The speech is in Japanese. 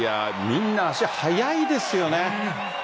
みんな、足速いですよね。